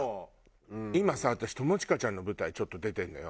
今さ私友近ちゃんの舞台ちょっと出てるのよ。